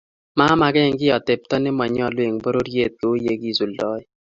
mamakey kiy atepto ne manyalu eng pororiet kou ye kisuldoe